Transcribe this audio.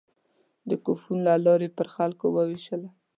د کوپون له لارې پر خلکو وېشله.